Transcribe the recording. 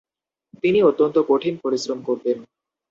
তিনি অত্যন্ত কঠিন পরিশ্রম করতেন।